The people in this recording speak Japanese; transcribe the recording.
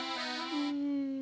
うん。